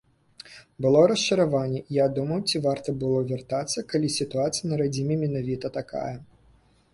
Было расчараванне, я думаў, ці варта было вяртацца, калі сітуацыя на радзіме менавіта такая.